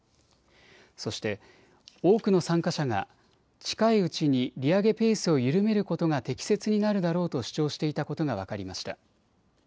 そして多くの参加者が近いうちに利上げペースを緩めることが適切になるだろうと主張していたことが分かりました。